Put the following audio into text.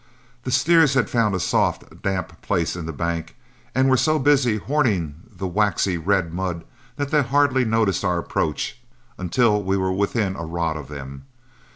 The steers had found a soft, damp place in the bank, and were so busy horning the waxy, red mud, that they hardly noticed our approach until we were within a rod of them.